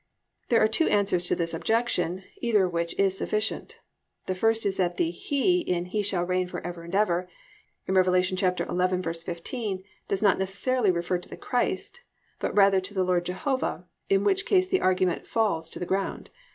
There are two answers to this objection, either of which is sufficient. The first is that the "he" in "he shall reign for ever and ever" in Rev. 11:15, does not necessarily refer to the Christ, but rather to the Lord Jehovah, in which case the argument falls to the ground.